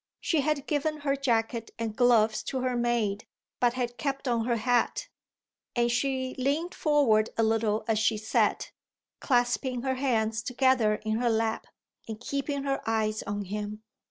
She had given her jacket and gloves to her maid, but had kept on her hat; and she leaned forward a little as she sat, clasping her hands together in her lap and keeping her eyes on him.